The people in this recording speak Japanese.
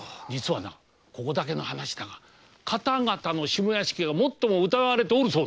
ここだけの話だが方々の下屋敷が最も疑われておるそうな。